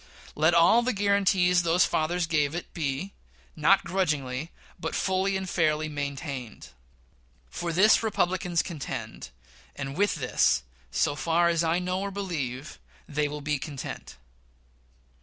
Let all the guaranties those fathers gave it be not grudgingly, but fully and fairly maintained. For this Republicans contend, and with this, so far as I know or believe, they will be content.